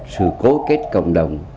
sự cố kết cộng đồng